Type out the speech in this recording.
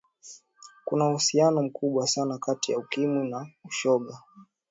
kuna uhusiano mkubwa sana kati ya ukimwi na ushoga